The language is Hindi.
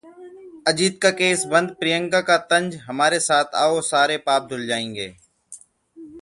अजित का केस बंद, प्रियंका का तंज- हमारे साथ आओ, सारे पाप धुल जाएंगे